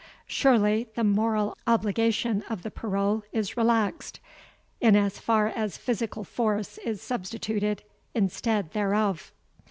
Surely the moral obligation of the parole is relaxed, in as far as physical force is substituted instead thereof.